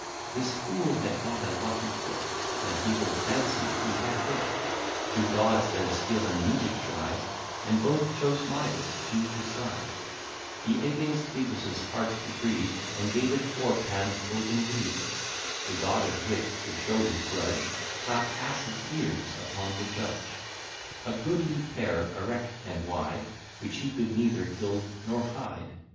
This fool had got a lucky hit; And people fancied he had wit, Two gods their skill in music tried And both chose Midas to decide: He against Ph[oelig]bus' harp decreed, And gave it for Pan's oaten reed: The god of wit, to show his grudge, Clapt asses' ears upon the judge, A goodly pair, erect and wide, Which he could neither gild nor hide.